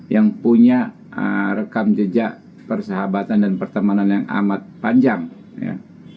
yang punya rekam jejak persahabatan dan pertemanan yang amat panjang ya